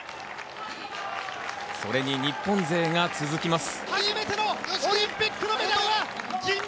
それに日本勢が続きます。